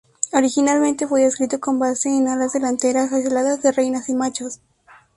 Originalmente fue descrito con base en alas delanteras aisladas de reinas y machos.